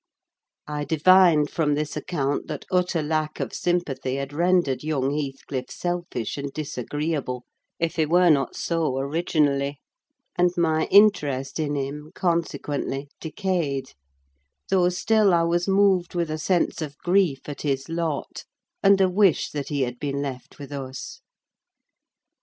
I divined, from this account, that utter lack of sympathy had rendered young Heathcliff selfish and disagreeable, if he were not so originally; and my interest in him, consequently, decayed: though still I was moved with a sense of grief at his lot, and a wish that he had been left with us.